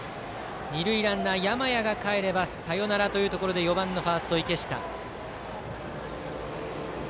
二塁ランナー、山家がかえればサヨナラというところで４番のファースト、池下です。